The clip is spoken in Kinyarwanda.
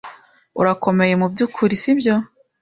Urakomeye mubyukuri, sibyo?